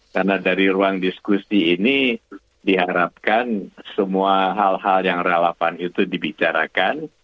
karena dari ruang diskusi ini diharapkan semua hal hal yang relevan itu dibicarakan